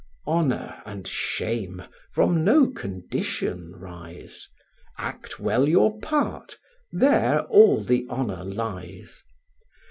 Honour and shame from no condition rise; Act well your part, there all the honour lies.